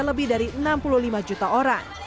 lebih dari enam puluh lima juta orang